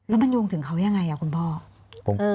แล้วมันโยงถึงเขายังไงคุณพ่อ